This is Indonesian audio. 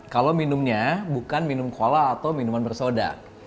kalau minumnya bukan minum cola atau minuman bersoda